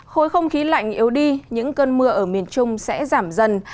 khối không khí lạnh yếu đi những cơn mưa ở miền trung sẽ giảm dần